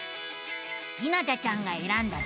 ひなたちゃんがえらんだ